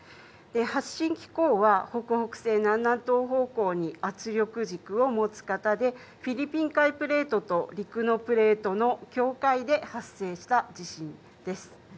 発震機構は北北西、南南東方向に圧力軸を持つ型で、フィリピン海プレートと、陸のプレートの境界で発生した地震です。